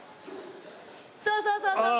そうそうそうそう。